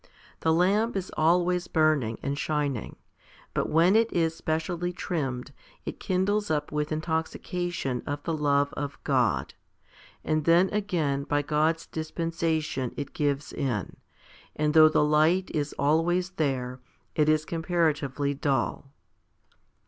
The lamp is always burning and shining, but when it is specially trimmed, it kindles up with intoxication of the love of God ; and then again by God's dispensation it gives in, and though the light is .always there, it is comparatively dull.